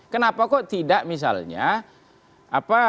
kenapa kok tidak misalnya